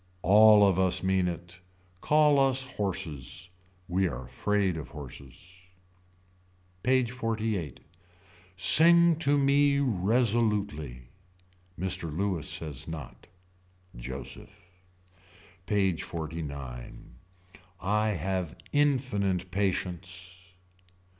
All of us mean it. Call us horses. We are afraid of horses. PAGE XLVIII. Sing to me resolutely. Mr. Louis says not. Joseph. PAGE XLIX. I have infinite patience.